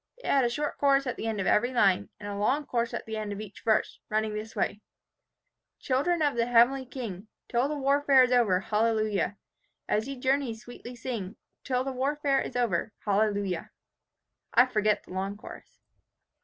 It had a short chorus at the end of every line, and a long chorus at the end of each verse, running this way, "'Children of the heavenly King, Till the warfare is over, Hallelujah, As ye journey sweetly sing, Till the warfare is over, Hallelujah.' I forget the long chorus.